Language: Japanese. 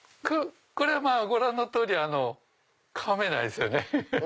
これはご覧の通りかめないですよね。